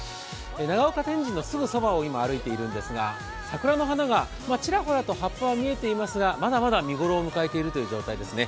長岡天神のすぐそばを今歩いているんですが桜の花が、ちらほらと葉っぱは見えていますがまだまだ見ごろを迎えているという状況ですね。